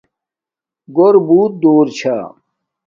گھور بوت دور چھا